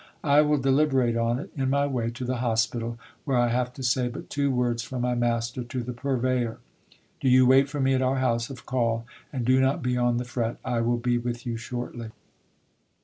I will deliberate on it in my way to the hospital, where I have to say but two words from my master to the purveyor. Do you wait for me at our house of call, and do not be on the fret : I will be with you shortly.